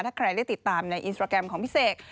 เธอติดตามในอินสตราแกรมของพี่เศก